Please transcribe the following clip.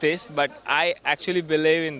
tapi saya benar benar percaya di ini